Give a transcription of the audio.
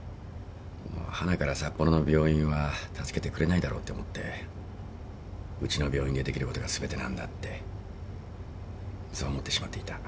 はなから札幌の病院は助けてくれないだろうって思ってうちの病院でできることが全てなんだってそう思ってしまっていた。